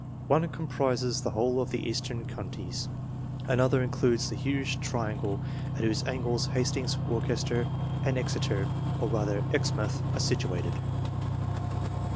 One comprises the whole of the Eastern Counties, another includes the huge triangle at whose angles Hastings, Worcester, and Exeter, or rather Exmouth, are situated.